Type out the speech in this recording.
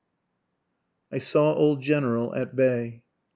I SAW OLD GENERAL AT BAY.